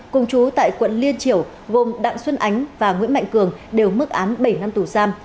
cùng chú tại quận liên triểu gồm đặng xuân ánh và nguyễn mạnh cường đều mức án bảy năm tù giam